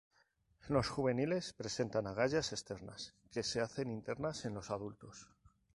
Los juveniles presentan agallas externas, que se hacen internas en los adultos.